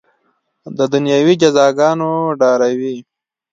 د دنیوي جزاګانو ډاروي.